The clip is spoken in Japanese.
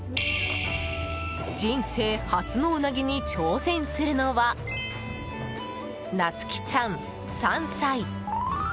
人生初のうなぎに挑戦するのはなつきちゃん、３歳。